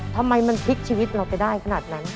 ทำไมมันพลิกชีวิตเราไปได้ขนาดนั้น